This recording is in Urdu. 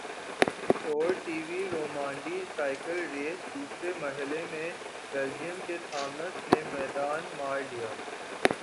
tour de Romandie cycle race دوسرے مرحلے میں بیلجیئم کے تھامس نے میدان مار لیا